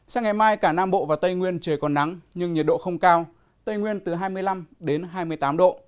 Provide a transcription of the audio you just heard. sáng ngày mai cả nam bộ và tây nguyên trời còn nắng nhưng nhiệt độ không cao tây nguyên từ hai mươi năm đến hai mươi tám độ